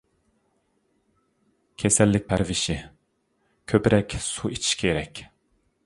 كېسەللىك پەرۋىشى كۆپرەك سۇ ئىچىش كېرەك.